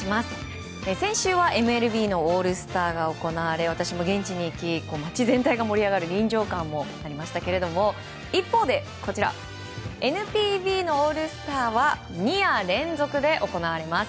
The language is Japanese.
先週はＭＬＢのオールスターが行われ、私も現地に行き街全体が盛り上がる臨場感もありましたが一方で、ＮＰＢのオールスターは２夜連続で行われます。